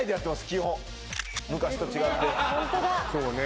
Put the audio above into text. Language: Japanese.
基本昔と違ってホントだそうね